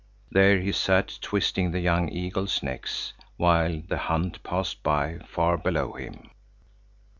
There he sat twisting the young eaglets' necks, while the hunt passed by far below him.